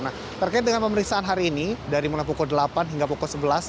nah terkait dengan pemeriksaan hari ini dari mulai pukul delapan hingga pukul sebelas